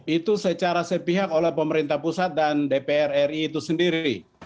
itu secara sepihak oleh pemerintah pusat dan dpr ri itu sendiri